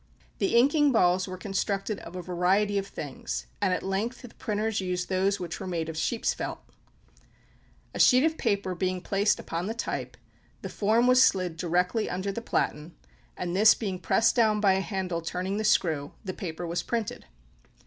The inking balls were constructed of a variety of things, and at length the printers used those which were made of sheep's felt. A sheet of paper being placed upon the type, the form was slid directly under the platen; and this being pressed down by a handle turning the screw, the paper was printed.